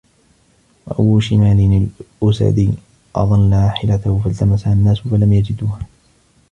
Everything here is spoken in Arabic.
وَأَبُو شِمَالٍ الْأَسَدِيُّ أَضَلَّ رَاحِلَتَهُ فَالْتَمَسَهَا النَّاسُ فَلَمْ يَجِدُوهَا